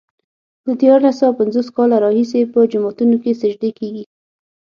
د دیارلس سوه پنځوس کاله راهيسې په جوماتونو کې سجدې کېږي.